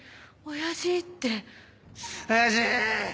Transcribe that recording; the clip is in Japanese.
親父！